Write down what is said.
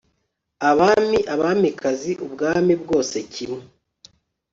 abami, abamikazi, ubwami bwose kimwe